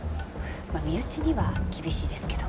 まあ身内には厳しいですけど。